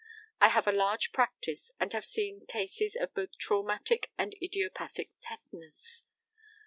I have a large practice, and have seen cases of both traumatic and idiopathic tetanus.